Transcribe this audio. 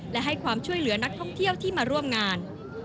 และให้ความช่วยเหลือนักท่องเที่ยวที่มาร่วมงาน